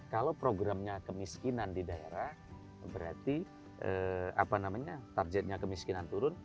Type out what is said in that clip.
kalau programnya kemiskinan di daerah berarti targetnya kemiskinan turun